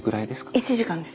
１時間です。